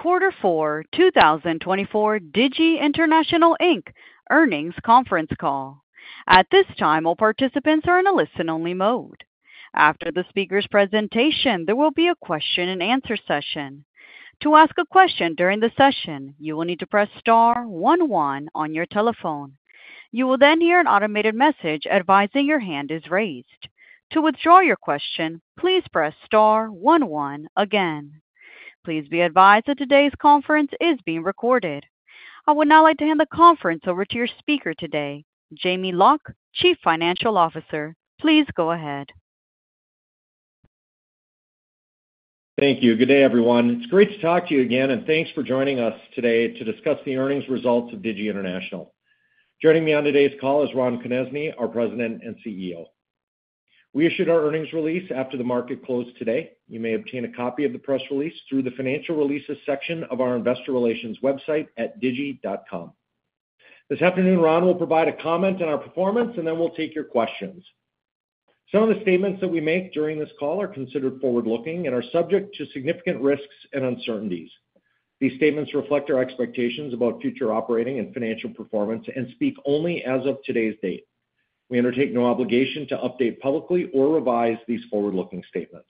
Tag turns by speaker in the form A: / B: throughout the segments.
A: Fourth quarter 2024 Digi International, Inc earnings conference call. At this time, all participants are in a listen-only mode. After the speaker's presentation, there will be a question-and-answer session. To ask a question during the session, you will need to press star one one on your telephone. You will then hear an automated message advising your hand is raised. To withdraw your question, please press star one, one again. Please be advised that today's conference is being recorded. I would now like to hand the conference over to your speaker today, Jamie Loch, Chief Financial Officer. Please go ahead.
B: Thank you. Good day, everyone. It's great to talk to you again, and thanks for joining us today to discuss the earnings results of Digi International. Joining me on today's call is Ron Konezny, our President and CEO. We issued our earnings release after the market closed today. You may obtain a copy of the press release through the financial releases section of our investor relations website at digi.com. This afternoon, Ron will provide a comment on our performance, and then we'll take your questions. Some of the statements that we make during this call are considered forward-looking and are subject to significant risks and uncertainties. These statements reflect our expectations about future operating and financial performance and speak only as of today's date. We undertake no obligation to update publicly or revise these forward-looking statements.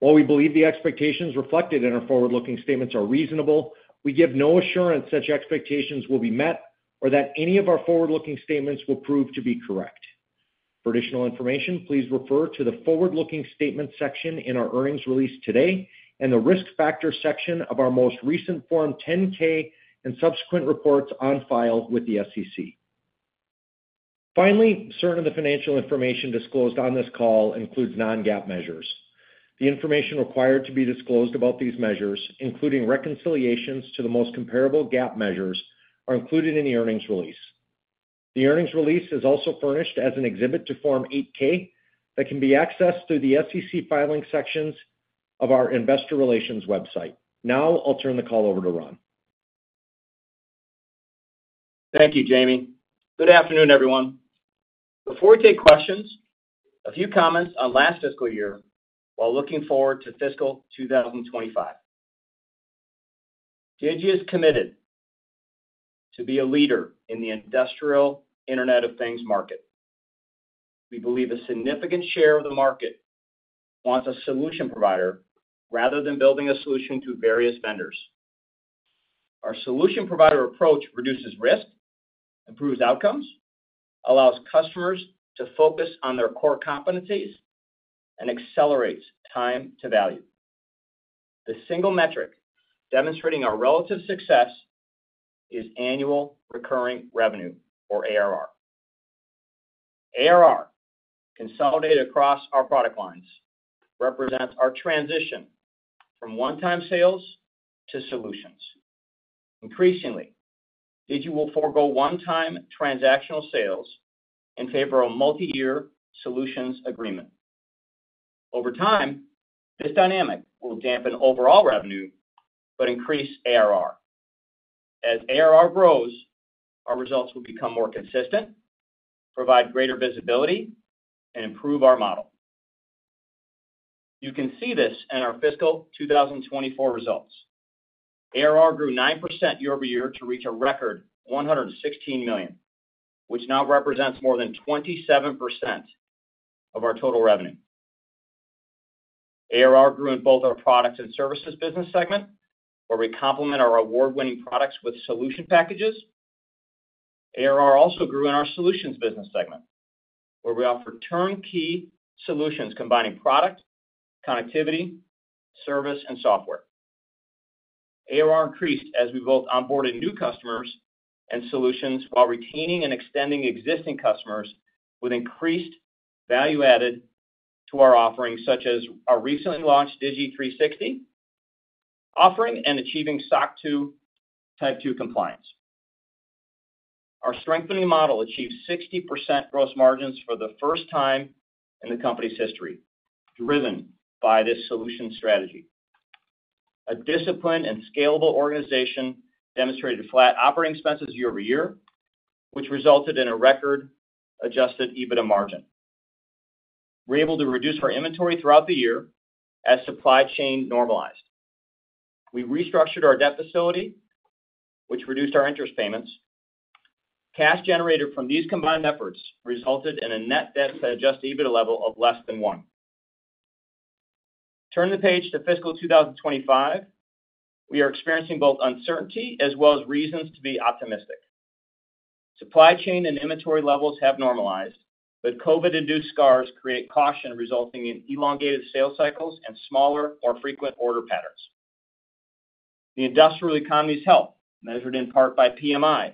B: While we believe the expectations reflected in our forward-looking statements are reasonable, we give no assurance such expectations will be met or that any of our forward-looking statements will prove to be correct. For additional information, please refer to the forward-looking statements section in our earnings release today and the risk factor section of our most recent Form 10-K and subsequent reports on file with the SEC. Finally, certain of the financial information disclosed on this call includes non-GAAP measures. The information required to be disclosed about these measures, including reconciliations to the most comparable GAAP measures, are included in the earnings release. The earnings release is also furnished as an exhibit to Form 8-K that can be accessed through the SEC filing sections of our investor relations website. Now I'll turn the call over to Ron.
C: Thank you, Jamie. Good afternoon, everyone. Before we take questions, a few comments on last fiscal year while looking forward to fiscal 2025. Digi is committed to be a leader in the Industrial Internet of Things market. We believe a significant share of the market wants a solution provider rather than building a solution to various vendors. Our solution provider approach reduces risk, improves outcomes, allows customers to focus on their core competencies, and accelerates time to value. The single metric demonstrating our relative success is annual recurring revenue, or ARR. ARR, consolidated across our product lines, represents our transition from one-time sales to solutions. Increasingly, Digi will forego one-time transactional sales in favor of multi-year solutions agreements. Over time, this dynamic will dampen overall revenue but increase ARR. As ARR grows, our results will become more consistent, provide greater visibility, and improve our model. You can see this in our fiscal 2024 results. ARR grew 9% year-over-year to reach a record $116 million, which now represents more than 27% of our total revenue. ARR grew in both our product and services business segment, where we complement our award-winning products with solution packages. ARR also grew in our solutions business segment, where we offer turnkey solutions combining product, connectivity, service, and software. ARR increased as we both onboarded new customers and solutions while retaining and extending existing customers with increased value added to our offering, such as our recently launched Digi 360 offering and achieving SOC 2 Type 2 compliance. Our strengthening model achieved 60% gross margins for the first time in the company's history, driven by this solution strategy. A disciplined and scalable organization demonstrated flat operating expenses year-over-year, which resulted in a record adjusted EBITDA margin. We were able to reduce our inventory throughout the year as supply chain normalized. We restructured our debt facility, which reduced our interest payments. Cash generated from these combined efforts resulted in a net debt to Adjusted EBITDA level of less than one. Turning the page to fiscal 2025, we are experiencing both uncertainty as well as reasons to be optimistic. Supply chain and inventory levels have normalized, but COVID-induced scars create caution, resulting in elongated sales cycles and smaller or frequent order patterns. The industrial economy's health, measured in part by PMI,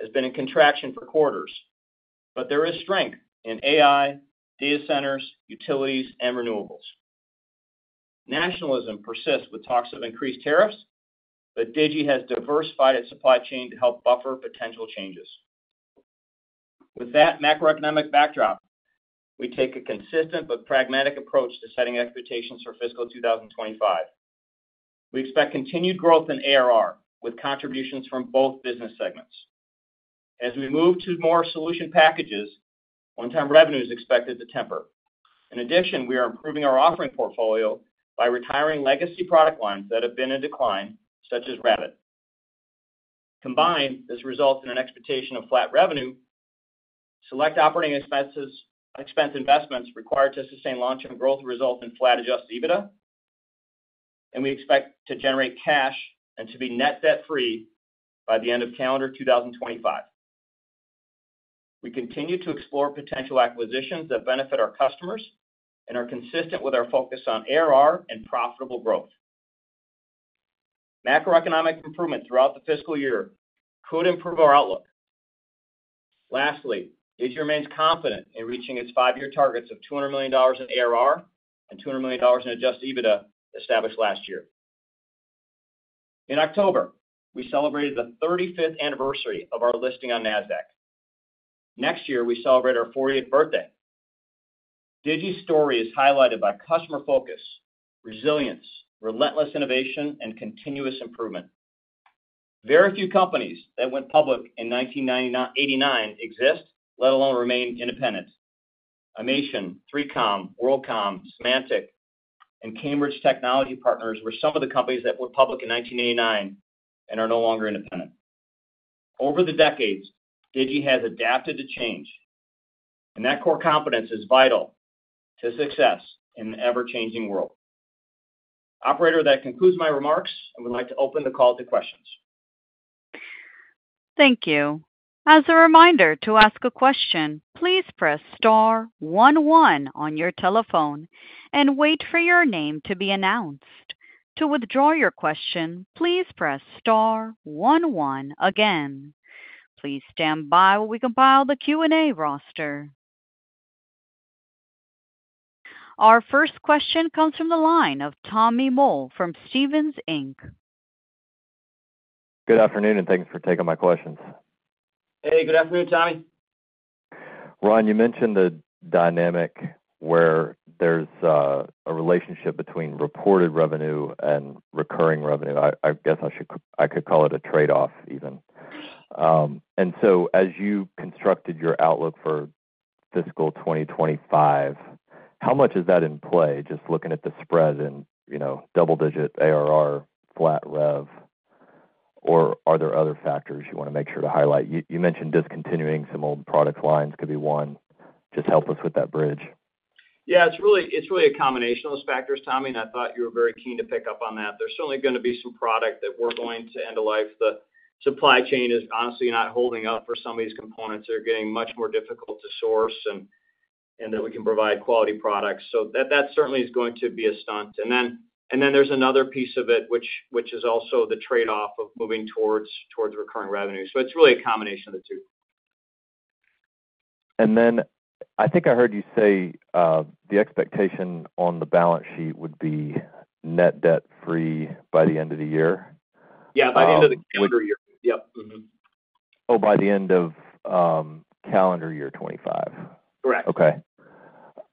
C: has been in contraction for quarters, but there is strength in AI, data centers, utilities, and renewables. Nationalism persists with talks of increased tariffs, but Digi has diversified its supply chain to help buffer potential changes. With that macroeconomic backdrop, we take a consistent but pragmatic approach to setting expectations for fiscal 2025. We expect continued growth in ARR with contributions from both business segments. As we move to more solution packages, one-time revenue is expected to temper. In addition, we are improving our offering portfolio by retiring legacy product lines that have been in decline, such as Rabbit. Combined, this results in an expectation of flat revenue. Select operating expense investments required to sustain long-term growth result in flat Adjusted EBITDA, and we expect to generate cash and to be net debt-free by the end of calendar 2025. We continue to explore potential acquisitions that benefit our customers and are consistent with our focus on ARR and profitable growth. Macroeconomic improvement throughout the fiscal year could improve our outlook. Lastly, Digi remains confident in reaching its five-year targets of $200 million in ARR and $200 million in Adjusted EBITDA established last year. In October, we celebrated the 35th anniversary of our listing on NASDAQ. Next year, we celebrate our 40th birthday. Digi's story is highlighted by customer focus, resilience, relentless innovation, and continuous improvement. Very few companies that went public in 1989 exist, let alone remain independent. Imation, 3Com, WorldCom, Symantec, and Cambridge Technology Partners were some of the companies that went public in 1989 and are no longer independent. Over the decades, Digi has adapted to change, and that core competence is vital to success in an ever-changing world. Operator, that concludes my remarks, and we'd like to open the call to questions.
A: Thank you. As a reminder to ask a question, please press star one one on your telephone and wait for your name to be announced. To withdraw your question, please press star one one again. Please stand by while we compile the Q&A roster. Our first question comes from the line of Tommy Moll from Stephens, Inc.
D: Good afternoon, and thanks for taking my questions.
C: Hey, good afternoon, Tommy.
D: Ron, you mentioned the dynamic where there's a relationship between reported revenue and recurring revenue. I guess I could call it a trade-off even, and so, as you constructed your outlook for fiscal 2025, how much is that in play, just looking at the spread and double-digit ARR, flat rev, or are there other factors you want to make sure to highlight? You mentioned discontinuing some old product lines could be one. Just help us with that bridge.
C: Yeah, it's really a combination of those factors, Tommy, and I thought you were very keen to pick up on that. There's certainly going to be some product that we're going to end of life. The supply chain is honestly not holding up for some of these components. They're getting much more difficult to source and that we can provide quality products. So that certainly is going to be a hit. And then there's another piece of it, which is also the trade-off of moving towards recurring revenue. So it's really a combination of the two.
D: And then I think I heard you say the expectation on the balance sheet would be net debt-free by the end of the year.
C: Yeah, by the end of the calendar year. Yep.
D: Oh, by the end of calendar year 2025.
C: Correct.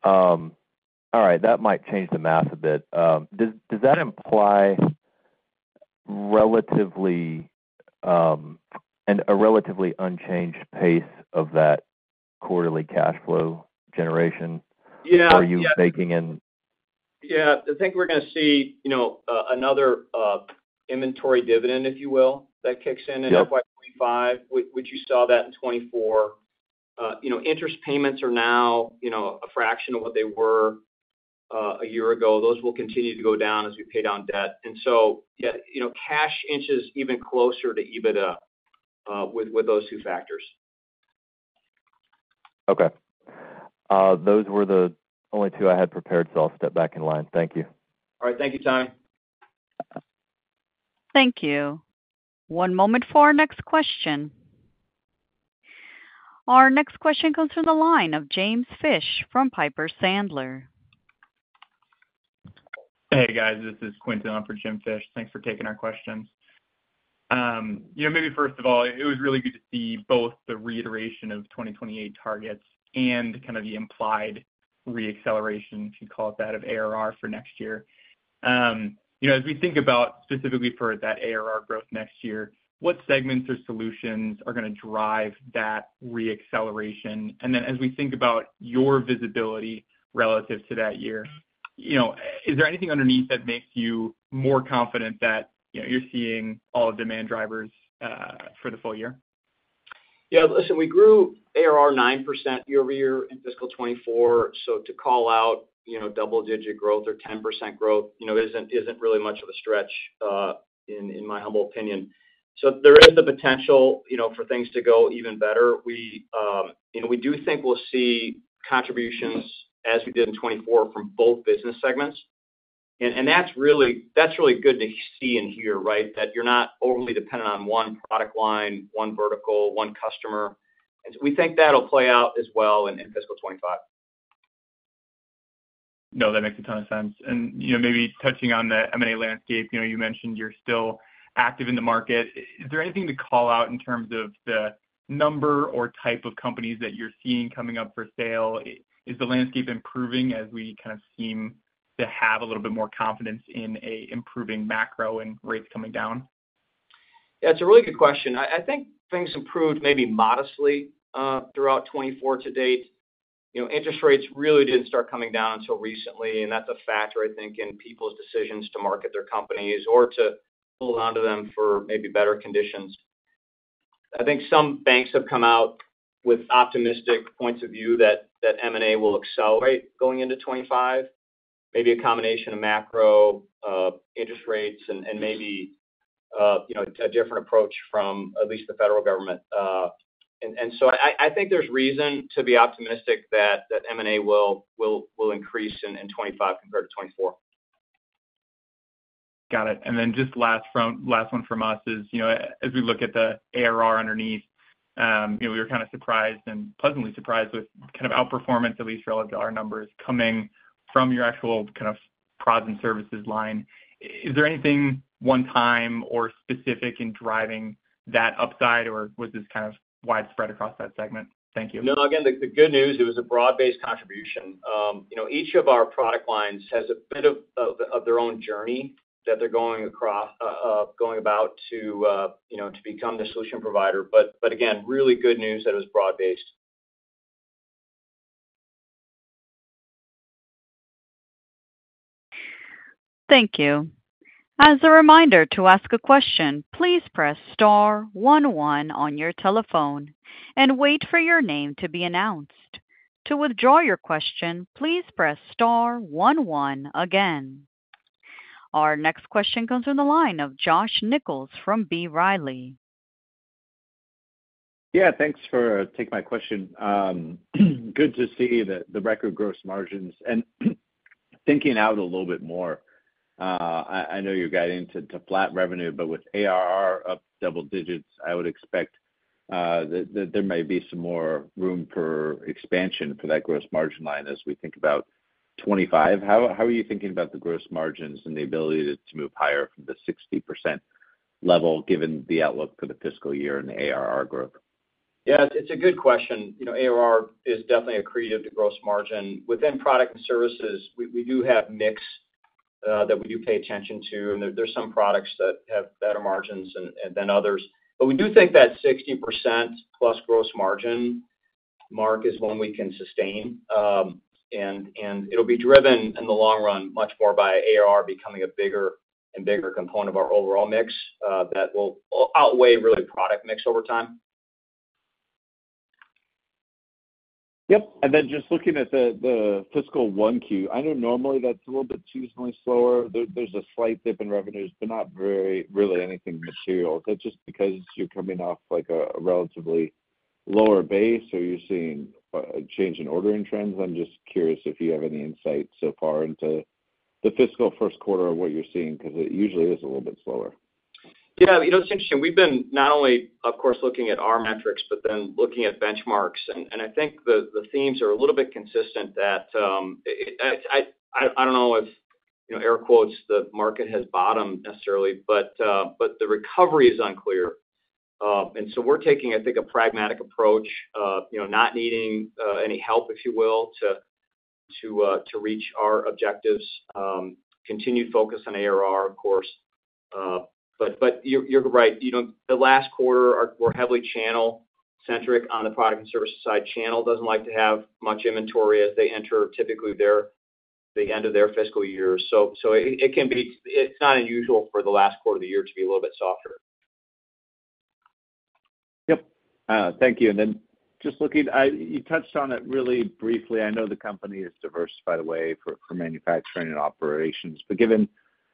D: Okay. All right. That might change the math a bit. Does that imply a relatively unchanged pace of that quarterly cash flow generation for you going in?
C: Yeah. I think we're going to see another inventory dividend, if you will, that kicks in in FY 2025, which you saw that in 2024. Interest payments are now a fraction of what they were a year ago. Those will continue to go down as we pay down debt. And so, yeah, cash inches even closer to EBITDA with those two factors.
D: Okay. Those were the only two I had prepared, so I'll step back in line. Thank you.
C: All right. Thank you, Tommy.
A: Thank you. One moment for our next question. Our next question comes from the line of Jim Fish from Piper Sandler.
E: Hey, guys. This is Quinton. I'm for Jim Fish. Thanks for taking our questions. Maybe first of all, it was really good to see both the reiteration of 2028 targets and kind of the implied reacceleration, if you'd call it that, of ARR for next year. As we think about specifically for that ARR growth next year, what segments or solutions are going to drive that reacceleration? And then as we think about your visibility relative to that year, is there anything underneath that makes you more confident that you're seeing all of demand drivers for the full year?
C: Yeah. Listen, we grew ARR 9% year-over-year in fiscal 2024. So to call out double-digit growth or 10% growth isn't really much of a stretch in my humble opinion. So there is the potential for things to go even better. We do think we'll see contributions as we did in 2024 from both business segments. And that's really good to see and hear, right, that you're not only dependent on one product line, one vertical, one customer. And we think that'll play out as well in fiscal 2025.
F: No, that makes a ton of sense. And maybe touching on the M&A landscape, you mentioned you're still active in the market. Is there anything to call out in terms of the number or type of companies that you're seeing coming up for sale? Is the landscape improving as we kind of seem to have a little bit more confidence in an improving macro and rates coming down?
C: Yeah, it's a really good question. I think things improved maybe modestly throughout 2024 to date. Interest rates really didn't start coming down until recently, and that's a factor, I think, in people's decisions to market their companies or to hold on to them for maybe better conditions. I think some banks have come out with optimistic points of view that M&A will accelerate going into 2025, maybe a combination of macro interest rates and maybe a different approach from at least the federal government, and so I think there's reason to be optimistic that M&A will increase in 2025 compared to 2024.
F: Got it, and then just last one from us is, as we look at the ARR underneath, we were kind of surprised and pleasantly surprised with kind of outperformance, at least relative to our numbers coming from your actual kind of product and services line. Is there anything one-time or specific in driving that upside, or was this kind of widespread across that segment? Thank you.
C: No, again, the good news, it was a broad-based contribution. Each of our product lines has a bit of their own journey that they're going about to become the solution provider. But again, really good news that it was broad-based.
A: Thank you. As a reminder to ask a question, please press star one one on your telephone and wait for your name to be announced. To withdraw your question, please press star one one again. Our next question comes from the line of Josh Nichols from B. Riley.
G: Yeah, thanks for taking my question. Good to see the record gross margins. And thinking out a little bit more, I know you're getting to flat revenue, but with ARR up double digits, I would expect that there may be some more room for expansion for that gross margin line as we think about 2025. How are you thinking about the gross margins and the ability to move higher from the 60% level given the outlook for the fiscal year and the ARR growth?
C: Yeah, it's a good question. ARR is definitely accretive to gross margin. Within products and services, we do have mix that we do pay attention to. And there's some products that have better margins than others. But we do think that 60%-plus gross margin mark is one we can sustain. And it'll be driven in the long run much more by ARR becoming a bigger and bigger component of our overall mix that will outweigh really product mix over time.
G: Yep. And then just looking at the fiscal 1Q, I know normally that's a little bit seasonally slower. There's a slight dip in revenues, but not really anything material. Is that just because you're coming off a relatively lower base or you're seeing a change in ordering trends? I'm just curious if you have any insight so far into the fiscal first quarter of what you're seeing because it usually is a little bit slower.
C: Yeah. It's interesting. We've been not only, of course, looking at our metrics, but then looking at benchmarks. And I think the themes are a little bit consistent that I don't know if air quotes, the market has bottomed necessarily, but the recovery is unclear. And so we're taking, I think, a pragmatic approach, not needing any help, if you will, to reach our objectives. Continued focus on ARR, of course. But you're right. The last quarter, we're heavily channel-centric on the product and service side. Channel doesn't like to have much inventory as they enter typically the end of their fiscal year. So it can be, it's not unusual for the last quarter of the year to be a little bit softer.
G: Yep. Thank you, and then just looking, you touched on it really briefly. I know the company is diversified away from manufacturing and operations, but given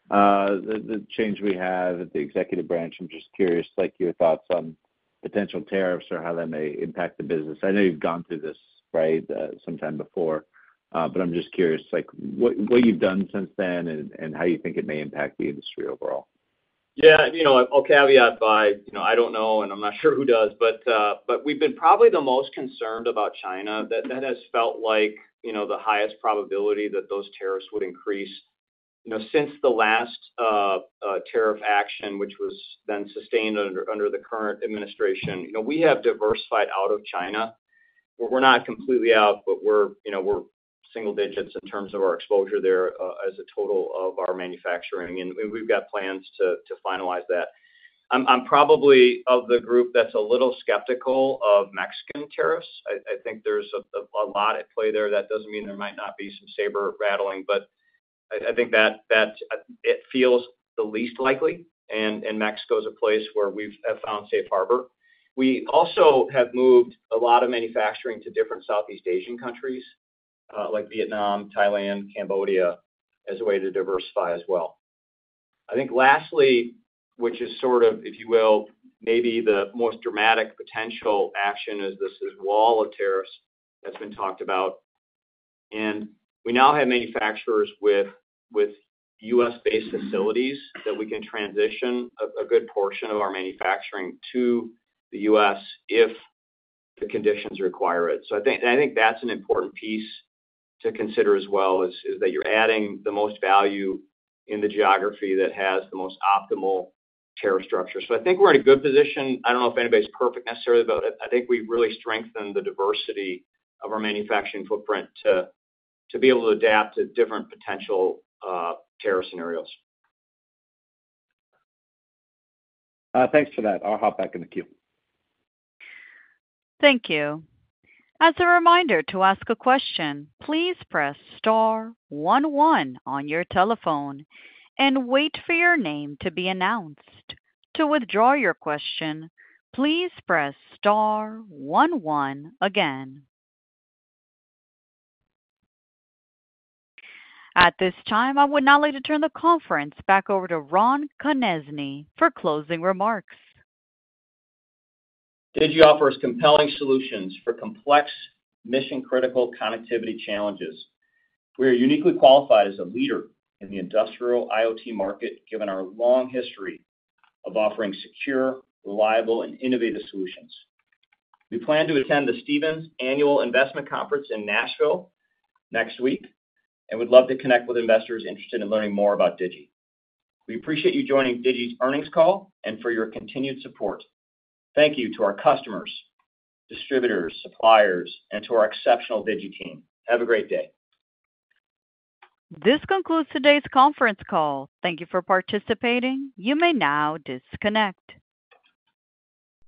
G: the change we have at the executive branch, I'm just curious, your thoughts on potential tariffs or how that may impact the business. I know you've gone through this, right, sometime before, but I'm just curious what you've done since then and how you think it may impact the industry overall.
C: Yeah. I'll caveat by I don't know, and I'm not sure who does, but we've been probably the most concerned about China. That has felt like the highest probability that those tariffs would increase. Since the last tariff action, which was then sustained under the current administration, we have diversified out of China. We're not completely out, but we're single digits in terms of our exposure there as a total of our manufacturing. And we've got plans to finalize that. I'm probably of the group that's a little skeptical of Mexican tariffs. I think there's a lot at play there. That doesn't mean there might not be some saber-rattling, but I think that it feels the least likely. And Mexico is a place where we've found safe harbor. We also have moved a lot of manufacturing to different Southeast Asian countries like Vietnam, Thailand, Cambodia as a way to diversify as well. I think lastly, which is sort of, if you will, maybe the most dramatic potential action is this wall of tariffs that's been talked about. And we now have manufacturers with U.S.-based facilities that we can transition a good portion of our manufacturing to the U.S. if the conditions require it. So I think that's an important piece to consider as well is that you're adding the most value in the geography that has the most optimal tariff structure. So I think we're in a good position. I don't know if anybody's perfect necessarily, but I think we've really strengthened the diversity of our manufacturing footprint to be able to adapt to different potential tariff scenarios.
G: Thanks for that. I'll hop back in the queue.
A: Thank you. As a reminder to ask a question, please press star one one on your telephone and wait for your name to be announced. To withdraw your question, please press star one, one again. At this time, I would not like to turn the conference back over to Ron Konezny for closing remarks.
C: Digi offers compelling solutions for complex mission-critical connectivity challenges. We are uniquely qualified as a leader in the industrial IoT market given our long history of offering secure, reliable, and innovative solutions. We plan to attend the Stephens Annual Investment Conference in Nashville next week and would love to connect with investors interested in learning more about Digi. We appreciate you joining Digi's earnings call and for your continued support. Thank you to our customers, distributors, suppliers, and to our exceptional Digi team. Have a great day.
A: This concludes today's conference call. Thank you for participating. You may now disconnect.